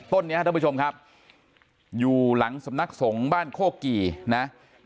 ต้นนี้ท่านผู้ชมครับอยู่หลังสำนักสงฆ์บ้านโคกี่นะ